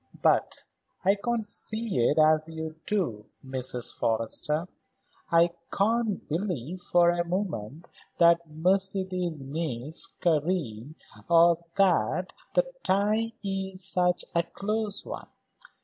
But I can't see it as you do, Mrs. Forrester. I can't believe for a moment that Mercedes needs Karen or that the tie is such a close one.